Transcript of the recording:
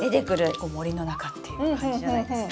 森の中っていう感じじゃないですか？